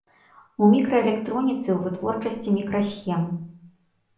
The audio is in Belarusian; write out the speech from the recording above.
У мікраэлектроніцы ў вытворчасці мікрасхем.